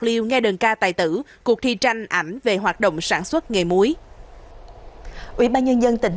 liêu đơn ca tài tử cuộc thi tranh ảnh về hoạt động sản xuất nghề muối ủy ban nhân dân tỉnh